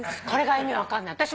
これが意味分かんない。